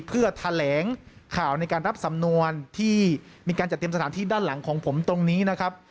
เพื่อแถลงข่าวในการรับสำนวนที่มีการจัดเตรียมสถานที่ด้านหลังของผมตรงนี้นะครับ